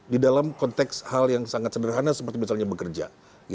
di dalam konteks hal yang sangat sederhana seperti misalnya bekerja